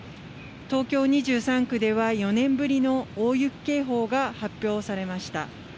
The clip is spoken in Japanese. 東京２３区では４年ぶりの大雪警報が発表されました。